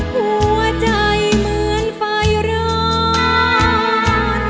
หัวใจเหมือนไฟร้อน